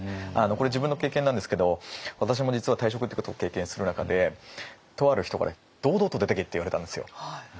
これ自分の経験なんですけど私も実は退職っていうことを経験する中でとある人から「堂々と出ていけ」って言われたんですよ。